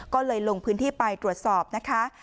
ก็เลยลงพื้นที่ไปตรวจสอบนะคะ